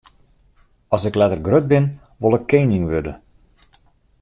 As ik letter grut bin, wol ik kening wurde.